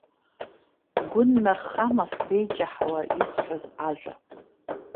Бгәы ннархама сбеиҷаҳауа исҳәаз ажәа?